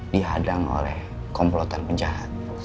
dihadang oleh komplotan penjahat